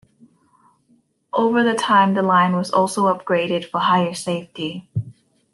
Over the time the line was also upgraded for higher safety.